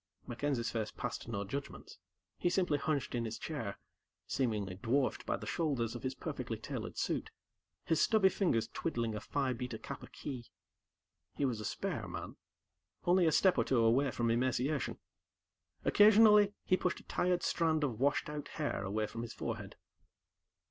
MacKenzie's face passed no judgements he simply hunched in his chair, seemingly dwarfed by the shoulders of his perfectly tailored suit, his stubby fingers twiddling a Phi Beta Kappa key. He was a spare man only a step or two away from emaciation. Occasionally, he pushed a tired strand of washed out hair away from his forehead.